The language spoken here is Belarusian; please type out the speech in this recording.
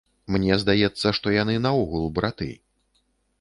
Мне здаецца, што яны наогул браты.